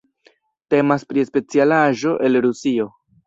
Temas pri specialaĵo el Rusio.